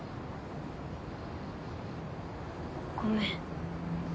ごめん。